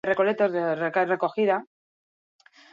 Sistema hauek garatzen hasi zen hurrengoa Europa izan zen.